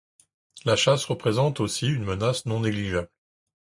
La chasse représente aussi une menace non négligeable.